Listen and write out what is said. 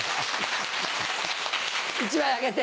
１枚あげて。